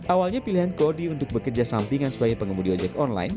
awalnya pilihan kodi untuk bekerja sampingan sebagai pengemudi ojek online